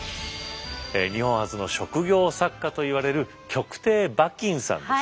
日本初の職業作家といわれる曲亭馬琴さんです。